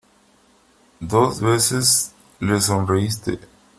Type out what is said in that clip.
dos veces le sonreíste ...